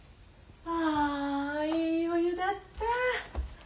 はあいいお湯だった。